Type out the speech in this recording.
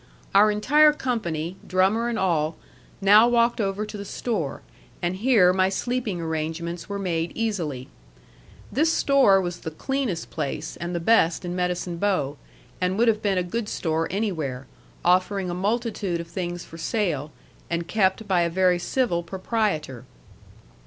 Our entire company, drummer and all, now walked over to the store, and here my sleeping arrangements were made easily. This store was the cleanest place and the best in Medicine Bow, and would have been a good store anywhere, offering a multitude of things for sale, and kept by a very civil proprietor.